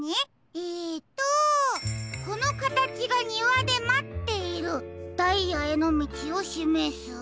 えっと「このかたちがにわでまっているダイヤへのみちをしめす」。